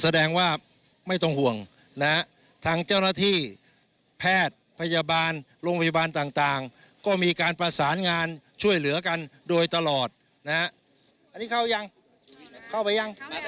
แสดงว่าไม่ต้องห่วงนะฮะทางเจ้าหน้าที่แพทย์พยาบาลโรงพยาบาลต่างก็มีการประสานงานช่วยเหลือกันโดยตลอดนะฮะอันนี้เข้ายังเข้าไปยัง